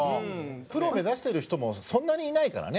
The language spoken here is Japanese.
プロ目指してる人もそんなにいないからね。